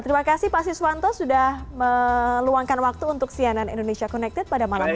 terima kasih pak siswanto sudah meluangkan waktu untuk cnn indonesia connected pada malam hari ini